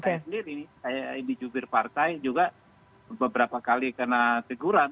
saya sendiri saya di jubir partai juga beberapa kali kena teguran